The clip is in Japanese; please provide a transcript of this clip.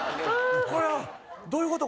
これはどういうこと？